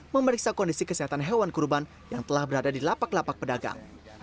memeriksa kondisi kesehatan hewan kurban yang telah berada di lapak lapak pedagang